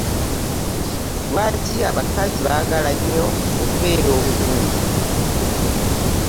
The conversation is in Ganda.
Lwaki abakazi bagala nnyo okubeera obulungi?